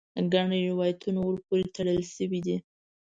ګڼ روایتونه ور پورې تړل شوي دي.